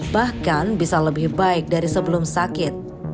bahkan bisa lebih baik dari sebelum sakit